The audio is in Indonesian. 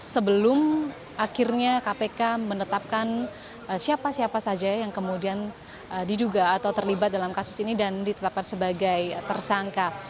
sebelum akhirnya kpk menetapkan siapa siapa saja yang kemudian diduga atau terlibat dalam kasus ini dan ditetapkan sebagai tersangka